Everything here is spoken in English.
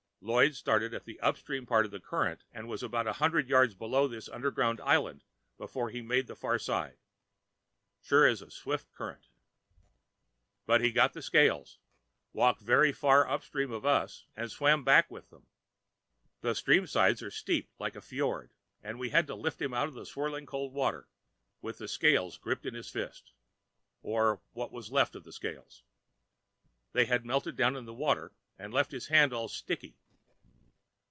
Lloyd started at the upstream part of the current, and was about a hundred yards below this underground island before he made the far side. Sure is a swift current. But he got the scales, walked very far upstream of us, and swam back with them. The stream sides are steep, like in a fjord, and we had to lift him out of the swirling cold water, with the scales gripped in his fist. Or what was left of the scales. They had melted down in the water and left his hand all sticky.